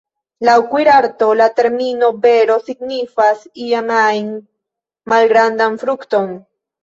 Laŭ kuirarto, la termino ""bero"" signifas ian ajn malgrandan frukton.